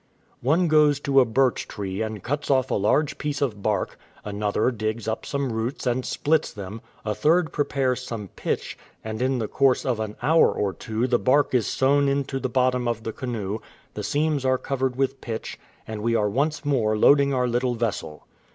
" One goes to a birch tree and cuts off a large piece of bark, another digs up some roots and splits them, a third prepares some pitch, and in the course of an hour or two the bark is sewn into the bottom of the canoe, the seams are covered with pitch, and we are once more loading our little vessel."